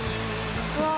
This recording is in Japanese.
うわ。